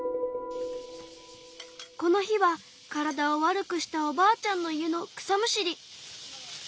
この日は体を悪くしたおばあちゃんの家の草むしり。